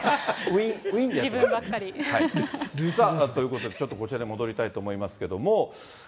自分ばっかり。ということで、ちょっとこちらに戻りたいと思いますけども。